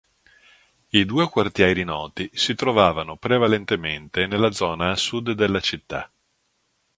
I due quartieri noti si trovavano prevalentemente nella zona a sud della città.